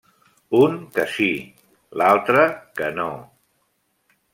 Un que sí; l’altre que no.